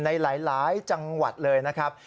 ในหลายจังหวัดเลยนะครับ